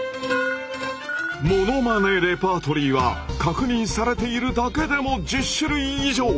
ものまねレパートリーは確認されているだけでも１０種類以上！